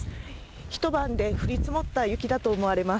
ひと晩で降り積もった雪だと思われます。